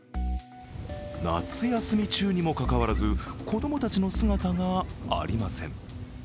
夏休み中にもかかわらず、子供たちの姿がありません。